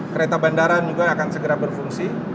kereta bandara juga akan segera berfungsi